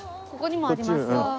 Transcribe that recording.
ここにもありますよ。